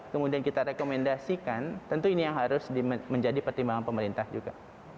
kemudian kita rekomendasikan tentu ini yang harus menjadi pertimbangan pemerintah juga